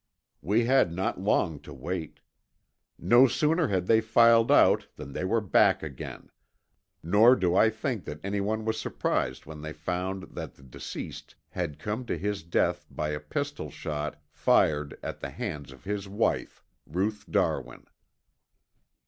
We had not long to wait. No sooner had they filed out than they were back again, nor do I think that anyone was surprised when they found that the deceased had come to his death by a pistol shot fired at the hands of his wife, Ruth Darwin.